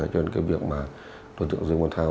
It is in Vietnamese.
cho nên cái việc mà đối tượng dương văn thao